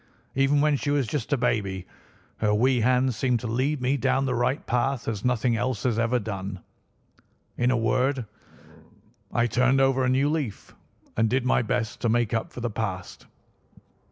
Even when she was just a baby her wee hand seemed to lead me down the right path as nothing else had ever done. In a word, I turned over a new leaf and did my best to make up for the past.